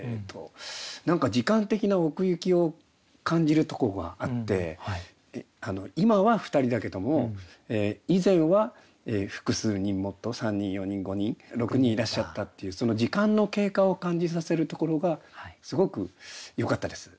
何か時間的な奥行きを感じるとこがあって今は２人だけども以前は複数人もっと３人４人５人６人いらっしゃったっていうその時間の経過を感じさせるところがすごくよかったです。